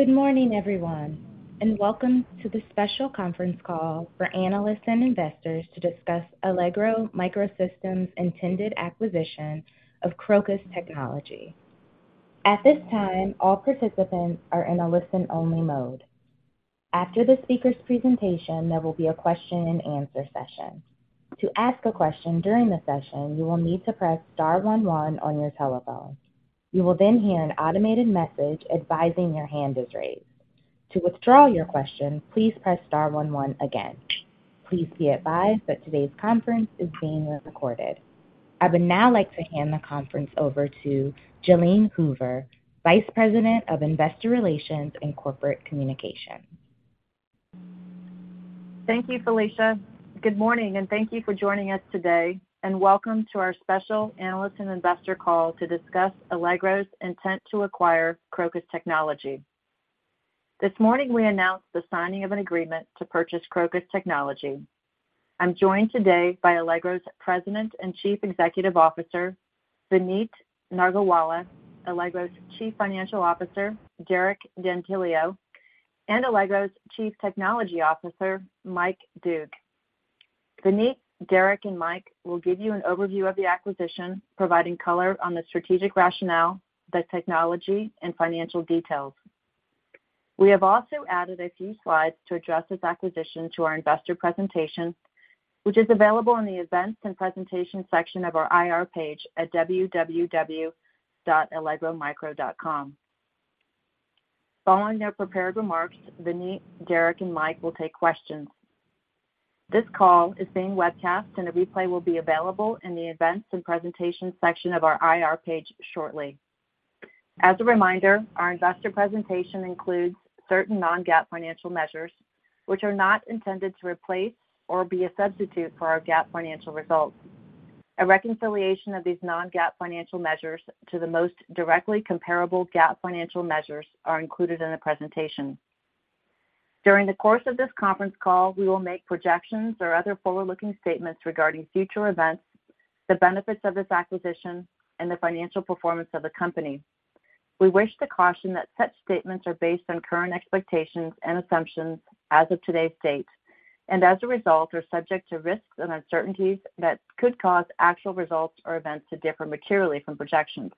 Good morning, everyone, and welcome to this special conference call for analysts and investors to discuss Allegro MicroSystems' intended acquisition of Crocus Technology. At this time, all participants are in a listen-only mode. After the speaker's presentation, there will be a question-and-answer session. To ask a question during the session, you will need to press star one, one on your telephone. You will then hear an automated message advising your hand is raised. To withdraw your question, please press star one, one again. Please be advised that today's conference is being recorded. I would now like to hand the conference over to Jalene Hoover, Vice President of Investor Relations and Corporate Communication. Thank you, Felicia. Good morning, and thank you for joining us today, and welcome to our special analyst and investor call to discuss Allegro's intent to acquire Crocus Technology. This morning, we announced the signing of an agreement to purchase Crocus Technology. I'm joined today by Allegro's President and Chief Executive Officer, Vineet Nargolwala, Allegro's Chief Financial Officer, Derek D'Antilio, and Allegro's Chief Technology Officer, Mike Doogue. Vineet, Derek, and Mike will give you an overview of the acquisition, providing color on the strategic rationale, the technology, and financial details. We have also added a few slides to address this acquisition to our investor presentation, which is available in the Events and Presentation section of our IR page at www.allegromicro.com. Following their prepared remarks, Vineet, Derek, and Mike will take questions. This call is being webcast, and a replay will be available in the Events and Presentation section of our IR page shortly. As a reminder, our investor presentation includes certain non-GAAP financial measures, which are not intended to replace or be a substitute for our GAAP financial results. A reconciliation of these non-GAAP financial measures to the most directly comparable GAAP financial measures are included in the presentation. During the course of this conference call, we will make projections or other forward-looking statements regarding future events, the benefits of this acquisition, and the financial performance of the company. We wish to caution that such statements are based on current expectations and assumptions as of today's date, and as a result, are subject to risks and uncertainties that could cause actual results or events to differ materially from projections.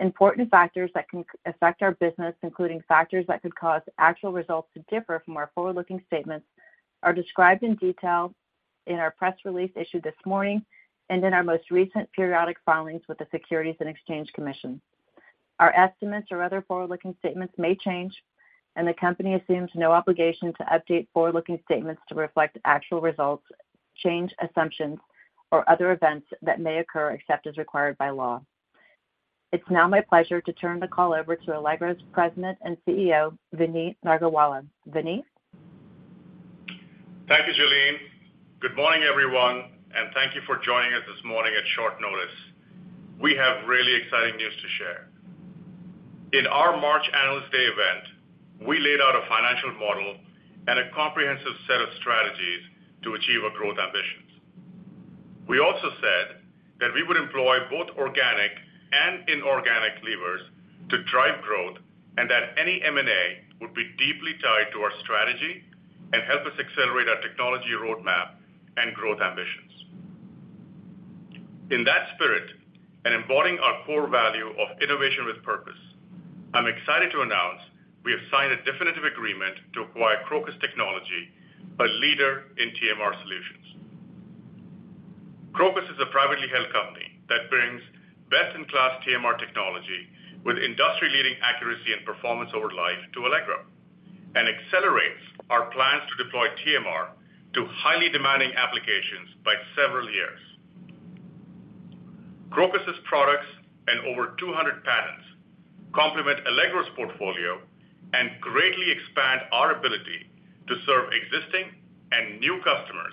Important factors that can affect our business, including factors that could cause actual results to differ from our forward-looking statements, are described in detail in our press release issued this morning and in our most recent periodic filings with the Securities and Exchange Commission. Our estimates or other forward-looking statements may change, and the company assumes no obligation to update forward-looking statements to reflect actual results, change assumptions, or other events that may occur, except as required by law. It's now my pleasure to turn the call over to Allegro's President and CEO, Vineet Nargolwala. Vineet? Thank you, Jalene. Good morning, everyone, and thank you for joining us this morning at short notice. We have really exciting news to share. In our March Analyst Day event, we laid out a financial model and a comprehensive set of strategies to achieve our growth ambitions. We also said that we would employ both organic and inorganic levers to drive growth, and that any M&A would be deeply tied to our strategy and help us accelerate our technology roadmap and growth ambitions. In that spirit, and embodying our core value of innovation with purpose, I'm excited to announce we have signed a definitive agreement to acquire Crocus Technology, a leader in TMR Solutions. Crocus is a privately held company that brings best-in-class TMR technology with industry-leading accuracy and performance over life to Allegro, and accelerates our plans to deploy TMR to highly demanding applications by several years. Crocus's products and over 200 patents complement Allegro's portfolio and greatly expand our ability to serve existing and new customers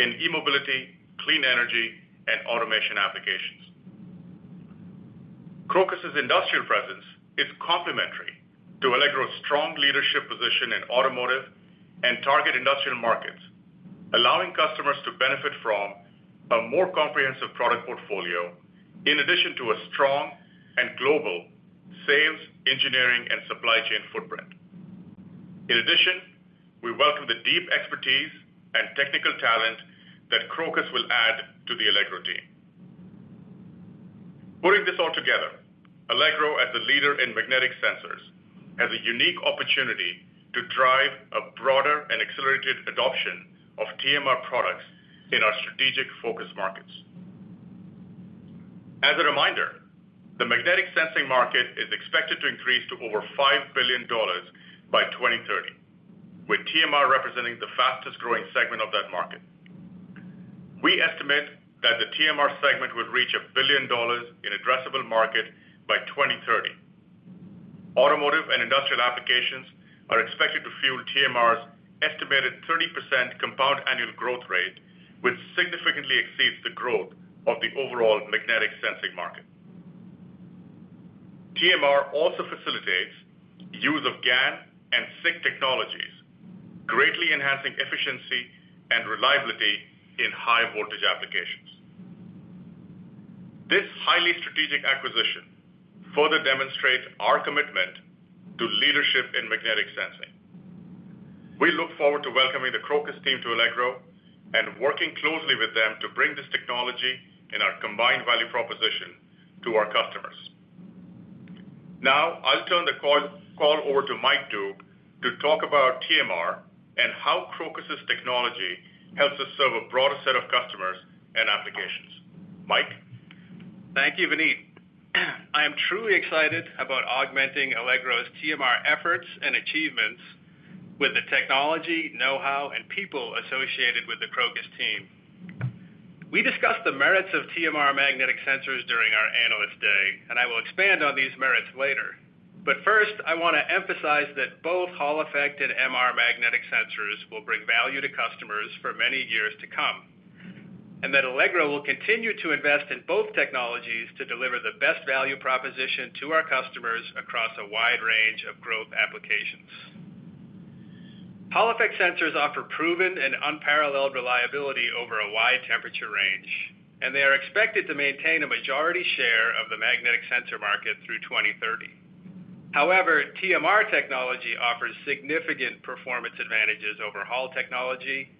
in e-mobility, clean energy, and automation applications. Crocus's industrial presence is complementary to Allegro's strong leadership position in automotive and target industrial markets, allowing customers to benefit from a more comprehensive product portfolio, in addition to a strong and global sales, engineering, and supply chain footprint. In addition, we welcome the deep expertise and technical talent that Crocus will add to the Allegro team. Putting this all together, Allegro, as a leader in magnetic sensors, has a unique opportunity to drive a broader and accelerated adoption of TMR products in our strategic focus markets. As a reminder, the magnetic sensing market is expected to increase to over $5 billion by 2030, with TMR representing the fastest-growing segment of that market. We estimate that the TMR segment would reach $1 billion in addressable market by 2030. Automotive and industrial applications are expected to fuel TMR's estimated 30% compound annual growth rate, which significantly exceeds the growth of the overall magnetic sensing market. TMR also facilitates use of GaN and SiC technologies, greatly enhancing efficiency and reliability in high voltage applications....highly strategic acquisition further demonstrates our commitment to leadership in magnetic sensing. We look forward to welcoming the Crocus team to Allegro and working closely with them to bring this technology and our combined value proposition to our customers. Now, I'll turn the call, call over to Mike Doogue to talk about TMR and how Crocus's technology helps us serve a broader set of customers and applications. Mike? Thank you, Vineet. I am truly excited about augmenting Allegro's TMR efforts and achievements with the technology, know-how, and people associated with the Crocus team. We discussed the merits of TMR magnetic sensors during our Analyst Day, and I will expand on these merits later. First, I want to emphasize that both Hall effect and MR magnetic sensors will bring value to customers for many years to come, and that Allegro will continue to invest in both technologies to deliver the best value proposition to our customers across a wide range of growth applications. Hall effect sensors offer proven and unparalleled reliability over a wide temperature range, and they are expected to maintain a majority share of the magnetic sensor market through 2030. However, TMR technology offers significant performance advantages over Hall technology, and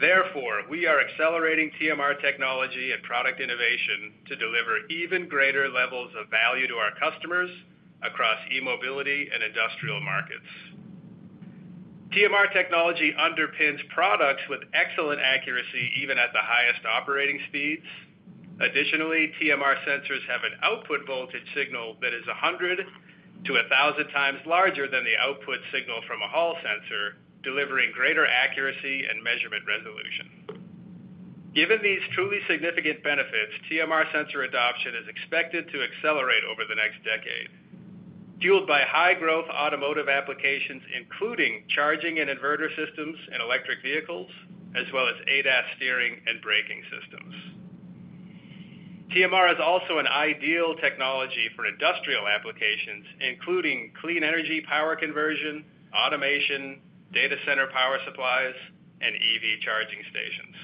therefore, we are accelerating TMR technology and product innovation to deliver even greater levels of value to our customers across e-mobility and industrial markets. TMR technology underpins products with excellent accuracy, even at the highest operating speeds. Additionally, TMR sensors have an output voltage signal that is 100 to 1,000 times larger than the output signal from a Hall sensor, delivering greater accuracy and measurement resolution. Given these truly significant benefits, TMR sensor adoption is expected to accelerate over the next decade, fueled by high growth automotive applications, including charging and inverter systems and electric vehicles, as well as ADAS steering and braking systems. TMR is also an ideal technology for industrial applications, including clean energy, power conversion, automation, data center power supplies, and EV charging stations.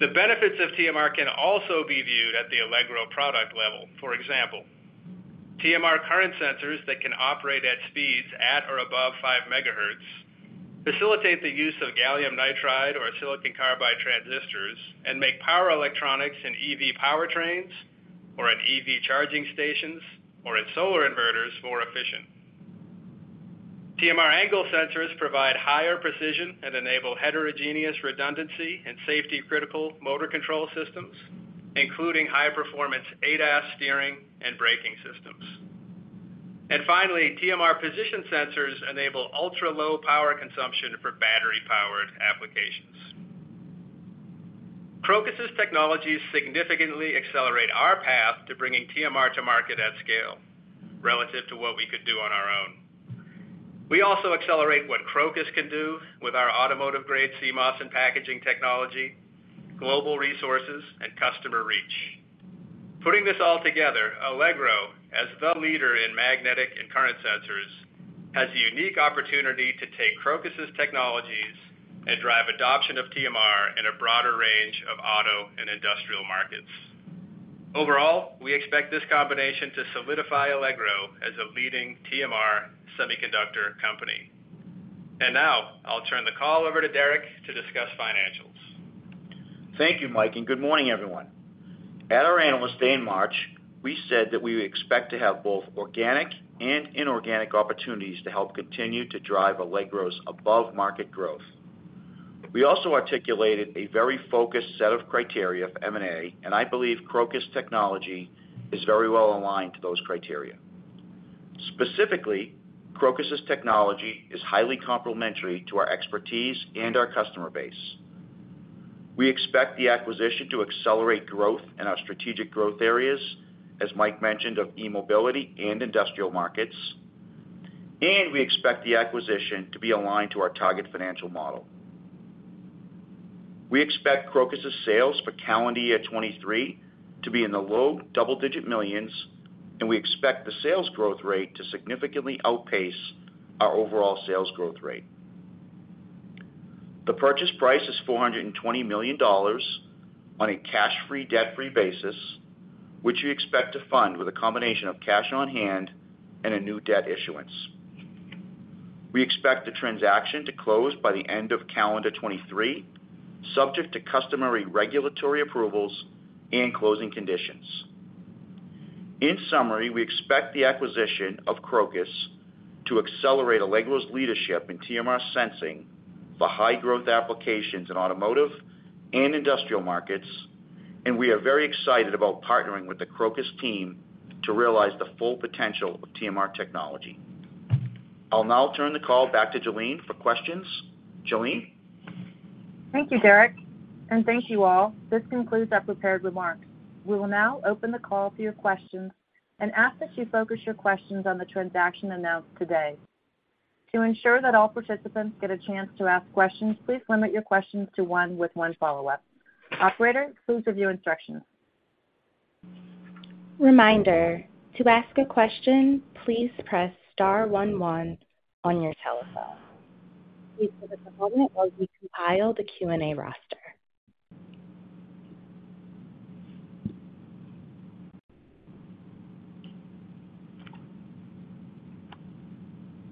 The benefits of TMR can also be viewed at the Allegro product level. For example, TMR current sensors that can operate at speeds at or above 5 megahertz facilitate the use of gallium nitride or silicon carbide transistors and make power electronics in EV powertrains or in EV charging stations or in solar inverters more efficient. TMR angle sensors provide higher precision and enable heterogeneous redundancy and safety-critical motor control systems, including high-performance ADAS steering and braking systems. Finally, TMR position sensors enable ultra-low power consumption for battery-powered applications. Crocus's technologies significantly accelerate our path to bringing TMR to market at scale relative to what we could do on our own. We also accelerate what Crocus can do with our automotive-grade CMOS and packaging technology, global resources, and customer reach. Putting this all together, Allegro, as the leader in magnetic and current sensors, has the unique opportunity to take Crocus's technologies and drive adoption of TMR in a broader range of auto and industrial markets. Overall, we expect this combination to solidify Allegro as a leading TMR semiconductor company. Now, I'll turn the call over to Derek to discuss financials. Thank you, Mike, and good morning, everyone. At our Analyst Day in March, we said that we would expect to have both organic and inorganic opportunities to help continue to drive Allegro's above-market growth. We also articulated a very focused set of criteria for M&A, and I believe Crocus Technology is very well aligned to those criteria. Specifically, Crocus's technology is highly complementary to our expertise and our customer base. We expect the acquisition to accelerate growth in our strategic growth areas, as Mike mentioned, of e-mobility and industrial markets, and we expect the acquisition to be aligned to our target financial model. We expect Crocus's sales for calendar year 2023 to be in the $ low double-digit millions, and we expect the sales growth rate to significantly outpace our overall sales growth rate. The purchase price is $420 million on a cash-free, debt-free basis, which we expect to fund with a combination of cash on hand and a new debt issuance. We expect the transaction to close by the end of calendar 2023, subject to customary regulatory approvals and closing conditions. In summary, we expect the acquisition of Crocus to accelerate Allegro's leadership in TMR sensing for high-growth applications in automotive and industrial markets. We are very excited about partnering with the Crocus team to realize the full potential of TMR technology. I'll now turn the call back to Jalene for questions. Jalene? Thank you, Derek, and thank you all. This concludes our prepared remarks. We will now open the call to your questions and ask that you focus your questions on the transaction announced today. To ensure that all participants get a chance to ask questions, please limit your questions to one with one follow-up. Operator, please review instructions. Reminder: to ask a question, please press star one, one on your telephone. Please hold at the moment while we compile the Q&A roster.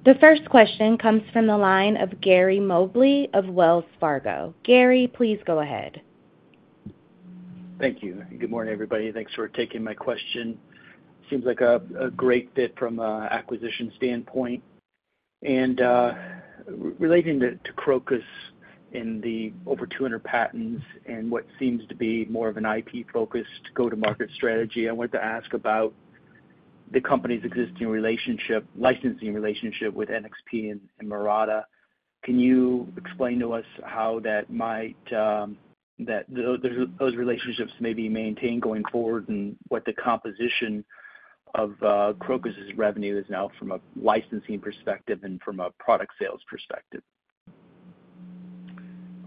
The first question comes from the line of Gary Mobley of Wells Fargo. Gary, please go ahead. Thank you. Good morning, everybody, thanks for taking my question. Seems like a, a great fit from acquisition standpoint. Relating to, to Crocus in the over 200 patents and what seems to be more of an IP-focused go-to-market strategy, I wanted to ask about the company's existing relationship, licensing relationship with NXP and Murata. Can you explain to us how those relationships may be maintained going forward, and what the composition of Crocus's revenue is now from a licensing perspective and from a product sales perspective?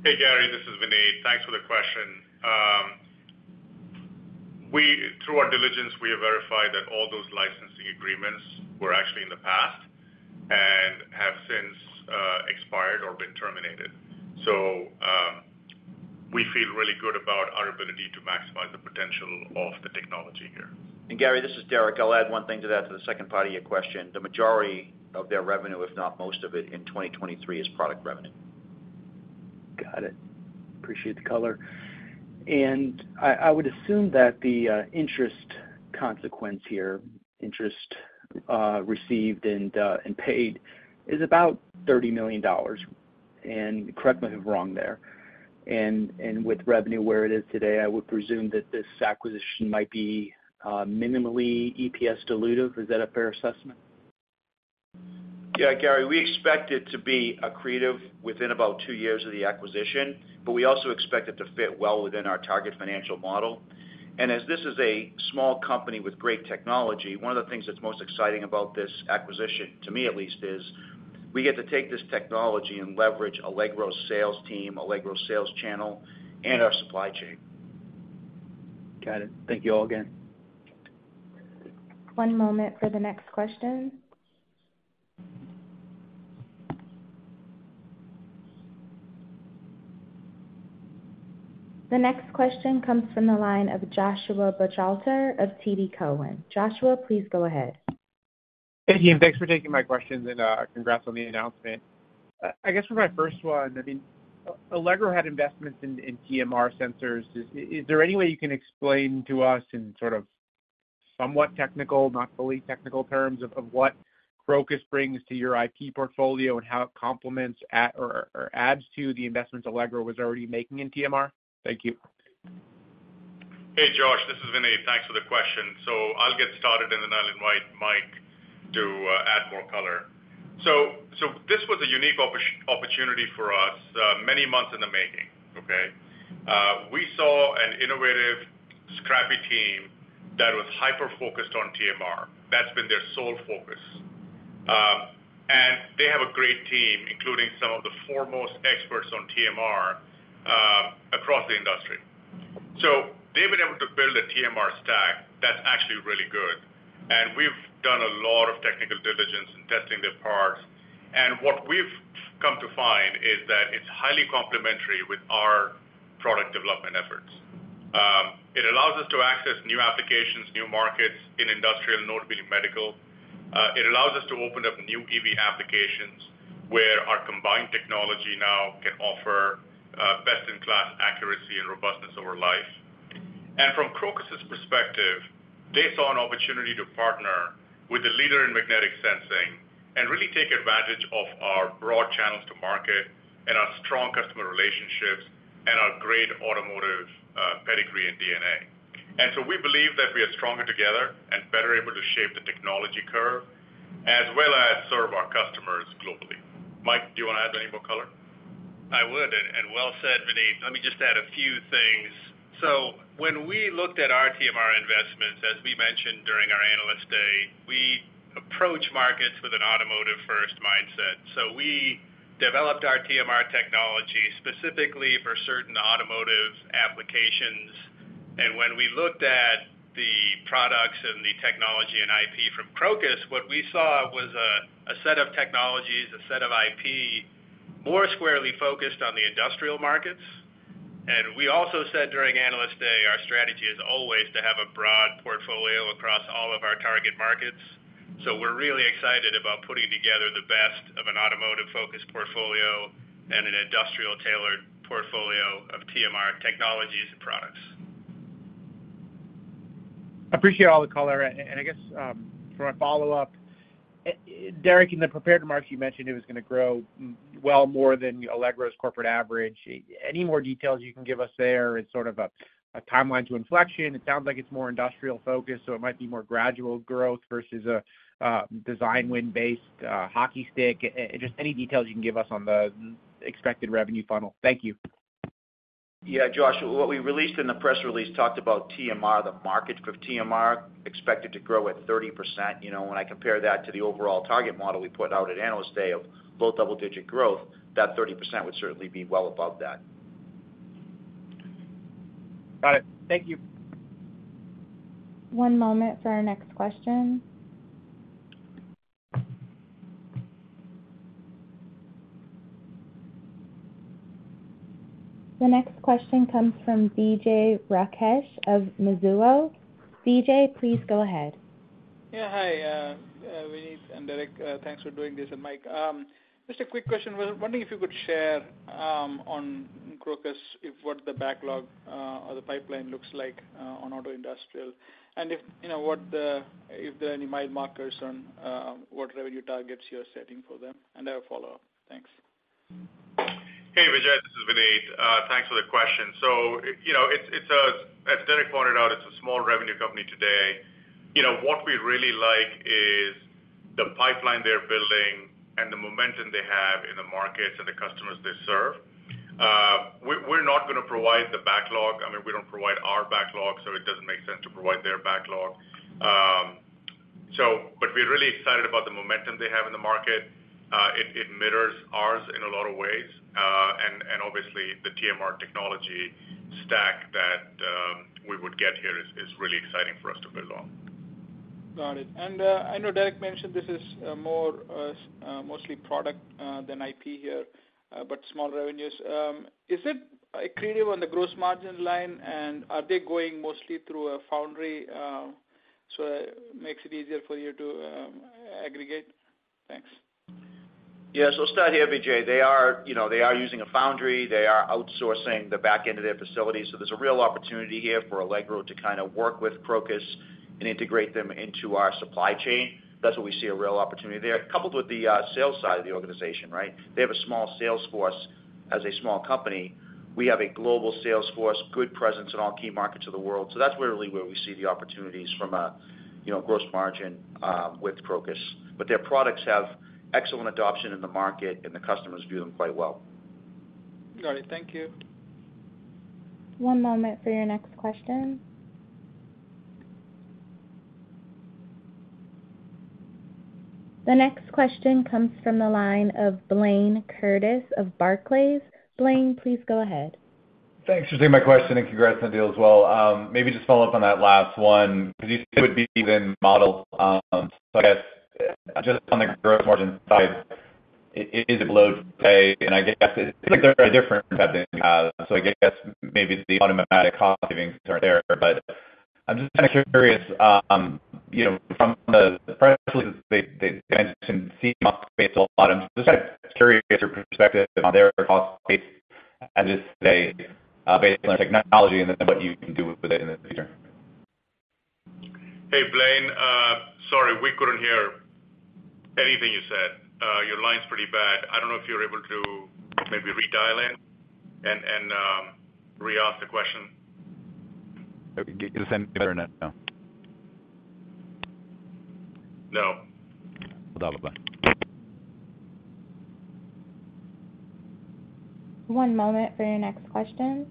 Hey, Gary, this is Vineet. Thanks for the question. We, through our diligence, we have verified that all those licensing agreements were actually in the past and have since expired or been terminated. We feel really good about our ability to maximize the potential of the technology here. Gary, this is Derek. I'll add one thing to that, to the second part of your question. The majority of their revenue, if not most of it, in 2023, is product revenue. Got it. Appreciate the color. I would assume that the interest consequence here, interest received and paid, is about $30 million, and correct me if I'm wrong there. And with revenue where it is today, I would presume that this acquisition might be minimally EPS dilutive. Is that a fair assessment? Yeah, Gary, we expect it to be accretive within about two years of the acquisition, but we also expect it to fit well within our target financial model. As this is a small company with great technology, one of the things that's most exciting about this acquisition, to me at least, is we get to take this technology and leverage Allegro's sales team, Allegro's sales channel, and our supply chain. Got it. Thank you all again. One moment for the next question. The next question comes from the line of Joshua Buchalter of TD Cowen. Joshua, please go ahead. Thank you, and thanks for taking my question, and, congrats on the announcement. I guess for my first one, I mean, Allegro had investments in TMR sensors. Is there any way you can explain to us in sort of somewhat technical, not fully technical terms, of what Crocus brings to your IP portfolio and how it complements at or adds to the investments Allegro was already making in TMR? Thank you. Hey, Josh, this is Vineet. Thanks for the question. I'll get started, and then I'll invite Mike to add more color. This was a unique opportunity for us, many months in the making, okay? We saw an innovative, scrappy team that was hyper-focused on TMR. That's been their sole focus. They have a great team, including some of the foremost experts on TMR across the industry. They've been able to build a TMR stack that's actually really good, and we've done a lot of technical diligence in testing their parts. What we've come to find is that it's highly complementary with our product development efforts. It allows us to access new applications, new markets in industrial, notably medical. It allows us to open up new EV applications, where our combined technology now can offer best-in-class accuracy and robustness over life. From Crocus's perspective, they saw an opportunity to partner with the leader in magnetic sensing and really take advantage of our broad channels to market and our strong customer relationships and our great automotive pedigree and DNA. We believe that we are stronger together and better able to shape the technology curve, as well as serve our customers globally. Mike, do you want to add any more color? I would, and well said, Vineet. Let me just add a few things. When we looked at our TMR investments, as we mentioned during our Analyst Day, we approach markets with an automotive-first mindset. When we looked at the products and the technology and IP from Crocus, what we saw was a set of technologies, a set of IP, more squarely focused on the industrial markets. We also said during Analyst Day, our strategy is always to have a broad portfolio across all of our target markets. We're really excited about putting together the best of an automotive-focused portfolio and an industrial-tailored portfolio of TMR technologies and products. Appreciate all the color. I guess, for my follow-up, Derek, in the prepared remarks, you mentioned it was gonna grow well more than Allegro's corporate average. Any more details you can give us there in sort of a, a timeline to inflection? It sounds like it's more industrial focused, so it might be more gradual growth versus a, a design win-based, hockey stick. Just any details you can give us on the expected revenue funnel. Thank you. Yeah, Josh, what we released in the press release talked about TMR, the market for TMR, expected to grow at 30%. You know, when I compare that to the overall target model we put out at Analyst Day of both double-digit growth, that 30% would certainly be well above that. Got it. Thank you. One moment for our next question. The next question comes from Vijay Rakesh of Mizuho. Vijay, please go ahead. Yeah, hi, Vineet and Derek. Thanks for doing this, and Mike. Just a quick question. Was wondering if you could share on Crocus, if what the backlog or the pipeline looks like on auto industrial, and if, you know, if there are any mile markers on what revenue targets you're setting for them, and I have follow-up. Thanks. Hey, Vijay, this is Vineet. Thanks for the question. You know, it's, as Derek pointed out, it's a small revenue company today. You know, what we really like is the pipeline they're building and the momentum they have in the markets and the customers they serve. We're, we're not gonna provide the backlog. I mean, we don't provide our backlog, so it doesn't make sense to provide their backlog. But we're really excited about the momentum they have in the market. It, it mirrors ours in a lot of ways. And obviously, the TMR technology stack that we would get here is, is really exciting for us to build on. Got it. I know Derek mentioned this is, more, mostly product, than IP here, but small revenues. Is it accretive on the gross margin line, and are they going mostly through a foundry, so it makes it easier for you to, aggregate? Thanks. Yeah. Start here, Vijay. They are, you know, they are using a foundry. They are outsourcing the back end of their facilities, so there's a real opportunity here for Allegro to kind of work with Crocus and integrate them into our supply chain. That's where we see a real opportunity there, coupled with the sales side of the organization, right? They have a small sales force as a small company. We have a global sales force, good presence in all key markets of the world. That's really where we see the opportunities from a, you know, gross margin with Crocus. Their products have excellent adoption in the market, and the customers view them quite well. Got it. Thank you. One moment for your next question. The next question comes from the line of Blayne Curtis of Barclays. Blayne, please go ahead. Thanks for taking my question, congrats on the deal as well. Maybe just follow up on that last one, because you said it would be even model. I guess, just on the gross margin side, it is below today, and I guess it's, like, they're a different type than you have. I guess maybe the automatic cost savings aren't there. I'm just kind of curious, you know, from the press release, they, they, mentioned CMOS-based a lot. I'm just kind of curious your perspective on their cost base and just, say, based on technology and then what you can do with it in the future. Hey, Blayne, sorry, we couldn't hear anything you said. Your line's pretty bad. I don't know if you're able to maybe redial in and, and, re-ask the question. Okay. Is it any better now? No. Bye-bye. One moment for your next question.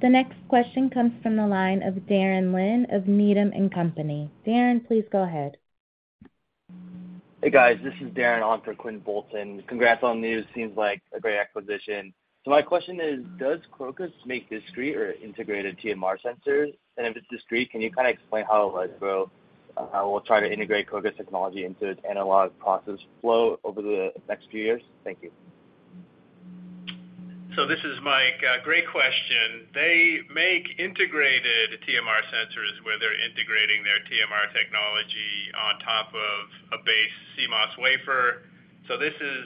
The next question comes from the line of Daren Lin of Needham & Company. Daren, please go ahead. Hey, guys, this is Daren, on for Quinn Bolton. Congrats on the news. Seems like a great acquisition. My question is, does Crocus make discrete or integrated TMR sensors? If it's discrete, can you kind of explain how Allegro will try to integrate Crocus Technology into its analog process flow over the next few years? Thank you. This is Mike. Great question. They make integrated TMR sensors, where they're integrating their TMR technology on top of a base CMOS wafer. This is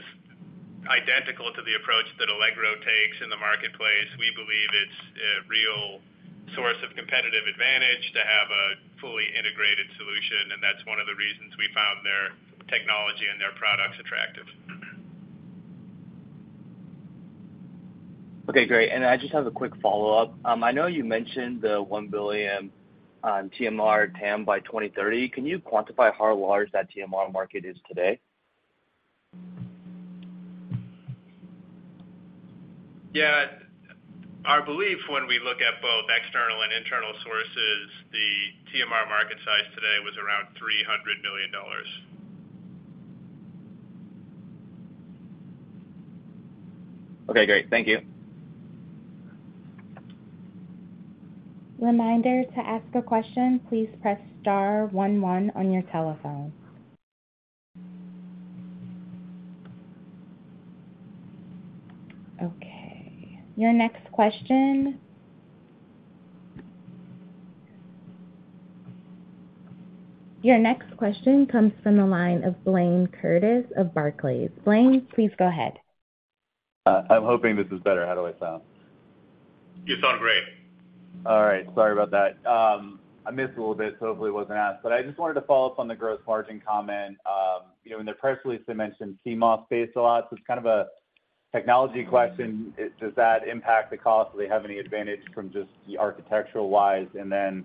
identical to the approach that Allegro takes in the marketplace. We believe it's a real source of competitive advantage to have a fully integrated solution, and that's one of the reasons we found their technology and their products attractive. Okay, great. I just have a quick follow-up. I know you mentioned the $1 billion on TMR TAM by 2030. Can you quantify how large that TMR market is today? Yeah. Our belief when we look at both external and internal sources, the TMR market size today was around $300 million. Okay, great. Thank you. Reminder to ask a question, please press star one one on your telephone. Okay, your next question... Your next question comes from the line of Blayne Curtis of Barclays. Blayne, please go ahead. I'm hoping this is better. How do I sound? You sound great. All right. Sorry about that. I missed a little bit, so hopefully it wasn't asked. I just wanted to follow up on the gross margin comment. You know, in the press release, they mentioned CMOS-based a lot. It's kind of a technology question. Does that impact the cost? Do they have any advantage from just the architectural-wise? And then,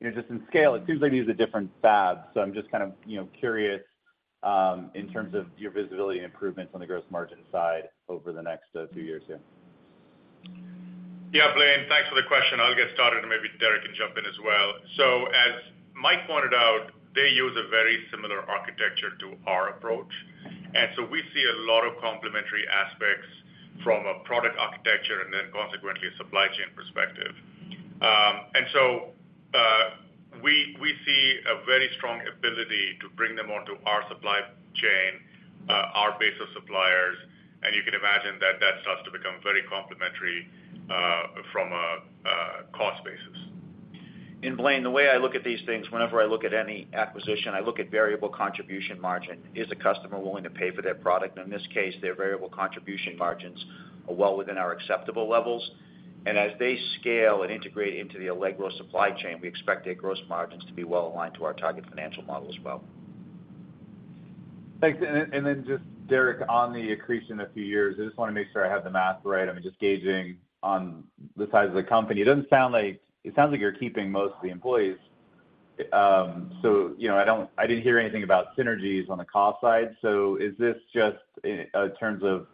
you know, just in scale, it seems like these are different fabs. I'm just kind of, you know, curious, in terms of your visibility and improvements on the gross margin side over the next few years here. Yeah, Blayne, thanks for the question. I'll get started, and maybe Derek can jump in as well. As Mike pointed out, they use a very similar architecture to our approach, and so we see a lot of complementary aspects from a product architecture and then, consequently, a supply chain perspective. We, we see a very strong ability to bring them onto our supply chain, our base of suppliers, and you can imagine that that starts to become very complementary, from a, a cost basis. Blayne, the way I look at these things, whenever I look at any acquisition, I look at variable contribution margin. Is the customer willing to pay for their product? In this case, their variable contribution margins are well within our acceptable levels, and as they scale and integrate into the Allegro supply chain, we expect their gross margins to be well aligned to our target financial model as well. Thanks. Then just, Derek, on the accretion a few years, I just wanna make sure I have the math right. I mean, just gauging on the size of the company, it doesn't sound like-- it sounds like you're keeping most of the employees. You know, I don't-- I didn't hear anything about synergies on the cost side. Is this just in terms of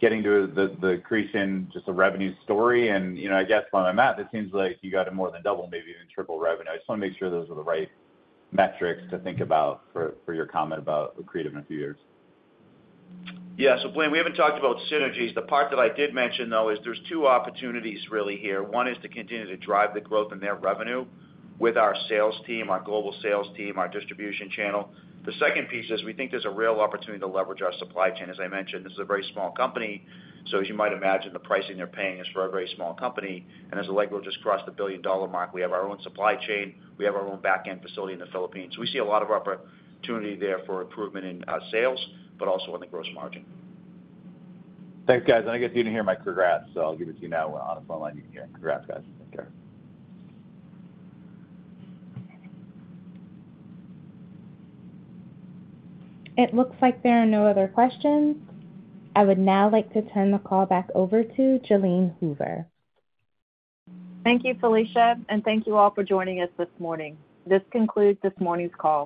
getting to the accretion, just a revenue story? You know, I guess by my math, it seems like you got to more than double, maybe even triple revenue. I just wanna make sure those are the right metrics to think about for your comment about accretive in a few years. Yeah. Blayne, we haven't talked about synergies. The part that I did mention, though, is there's two opportunities really here. One is to continue to drive the growth in their revenue with our sales team, our global sales team, our distribution channel. The second piece is we think there's a real opportunity to leverage our supply chain. As I mentioned, this is a very small company, so as you might imagine, the pricing they're paying is for a very small company. As Allegro just crossed the $1 billion mark, we have our own supply chain, we have our own back-end facility in the Philippines. We see a lot of opportunity there for improvement in sales, but also in the gross margin. Thanks, guys. I guess you didn't hear my congrats, so I'll give it to you now on the phone line you can hear. Congrats, guys. Take care. It looks like there are no other questions. I would now like to turn the call back over to Jalene Hoover. Thank you, Felicia, and thank you all for joining us this morning. This concludes this morning's call.